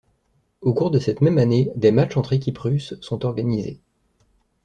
Au cours de cette même année, des matchs entre équipes russes sont organisés.